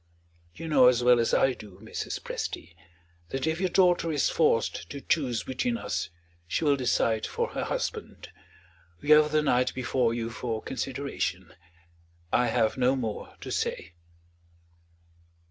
"You know as well as I do, Mrs. Presty, that if your daughter is forced to choose between us she will decide for her husband. You have the night before you for consideration. I have no more to say."